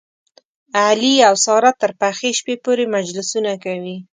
علي او ساره تر پخې شپې پورې مجلسونه کوي.